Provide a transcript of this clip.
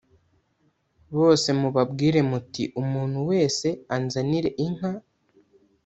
bose mubabwire muti Umuntu wese anzanire inka